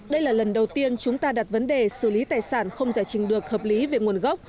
đây là lần đầu tiên chúng ta đặt vấn đề xử lý tài sản không giải trình được hợp lý về nguồn gốc